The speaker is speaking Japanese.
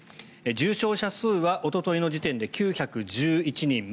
重症者数はおとといの時点で９１１人。